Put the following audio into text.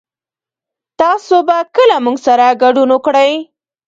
تاسو به کله موږ سره ګډون وکړئ